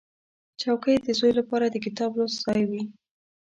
چوکۍ د زوی لپاره د کتاب لوست ځای وي.